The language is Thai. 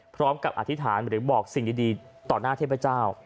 อธิษฐานหรือบอกสิ่งดีต่อหน้าเทพเจ้า